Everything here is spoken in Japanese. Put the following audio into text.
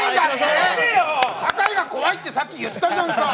酒井が怖いってさっき言ったじゃんか。